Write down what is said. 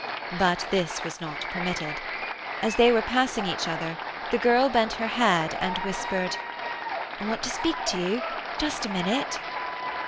But this was not permitted. As they were passing each other the girl bent her head and whispered— "I want to speak to you—just a minute."